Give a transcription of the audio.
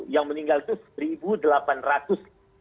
yang meninggal itu satu delapan ratus